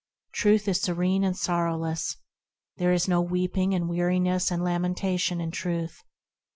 Truth is serene and sorrowless ; There is no weeping and weariness and lamentation in Truth.